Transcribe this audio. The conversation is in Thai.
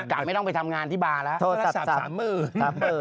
ไม่ต้องไปทำงานที่บาร์แล้วโทรศัพท์๓๐๐๐๓๐๐๐